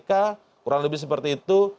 kurang lebih seperti itu